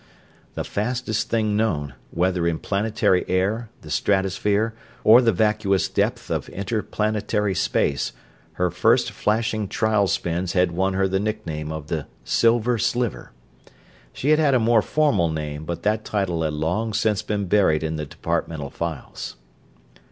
The fastest thing known, whether in planetary air, the stratosphere, or the vacuus depth of interplanetary space, her first flashing trial spins had won her the nickname of the Silver Sliver. She had had a more formal name, but that title had long since been buried in the Departmental files.